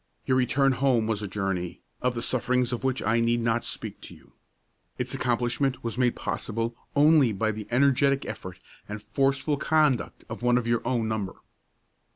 Your return home was a journey, of the sufferings of which I need not speak to you. Its accomplishment was made possible only by the energetic effort and forceful conduct of one of your own number.